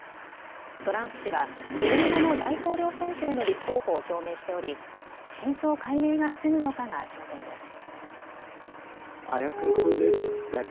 トランプ氏は２年後の大統領選挙への立候補を表明しており真相解明が進むのかが焦点です。